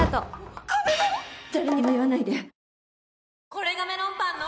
これがメロンパンの！